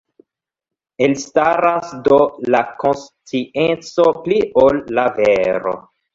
Elstaras, do, la konscienco pli ol la vero.